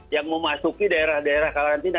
yang memasuki daerah daerah karantina